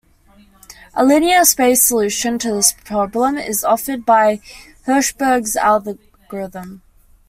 A linear-space solution to this problem is offered by Hirschberg's algorithm.